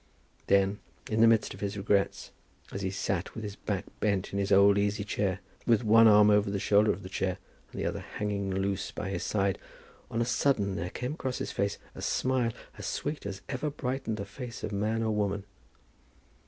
Then, in the midst of his regrets, as he sat with his back bent in his old easy chair, with one arm over the shoulder of the chair, and the other hanging loose by his side, on a sudden there came across his face a smile as sweet as ever brightened the face of man or woman.